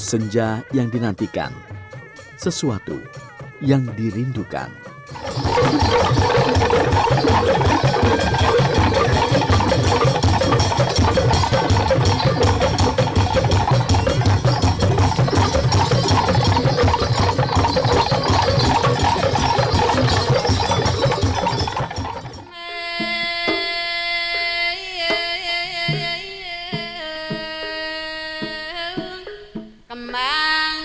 senja yang dinantikan sesuatu yang dirindukan